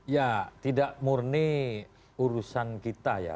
ya tidak murni urusan kita ya